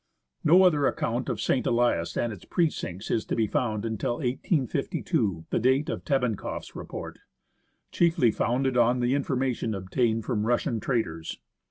No other account of St. Elias and its precincts is to be found until 1852, the date of Tebenkoff's report, chiefly founded on in formation obtained from Russian traders.